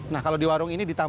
nah kalau di warung ini ditambah